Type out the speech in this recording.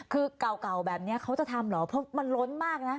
คือเก่าแบบนี้เขาจะทำเหรอเพราะมันล้นมากนะ